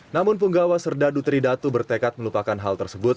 namun penggawa serdadu tridatu bertekad melupakan hal tersebut